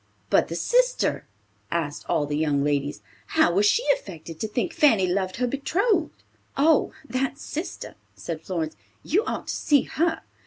"But the sister," asked all the young ladies, "how was she affected to think Fanny loved her betrothed?" "Oh, that sister!" said Florence. "You ought to see her!